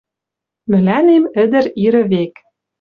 Мӹлӓнем ӹдӹр ирӹ век.